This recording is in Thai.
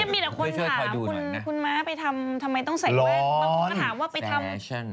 มีแต่คนถามคุณม้าไปทำทำไมต้องใส่แวด